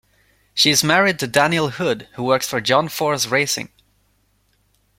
She is married to Daniel Hood, who works for John Force Racing.